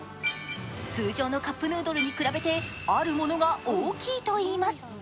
通常のカップヌードルに比べてあるものが大きいといいます。